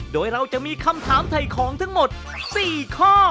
โดยเราจะมีคำถามถ่ายของทั้งหมด๔ข้อ